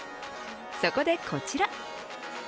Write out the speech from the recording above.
そこでこちら。